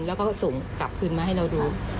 แล้วก็ส่งกลับคืนมาให้เราดู